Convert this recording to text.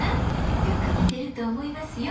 よく似てると思いますよ。